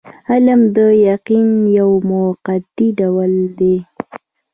علم د یقین یو موقتي ډول دی.